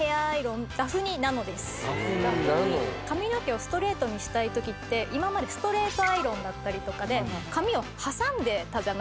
髪の毛をストレートにしたい時って今までストレートアイロンだったりとかで髪を挟んでたじゃないですか。